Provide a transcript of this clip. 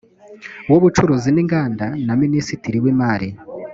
w ubucuruzi n inganda na minisitiri w imari